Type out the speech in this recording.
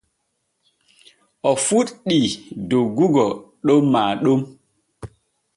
O fuɗɗi doggugo ɗon maa ɗon.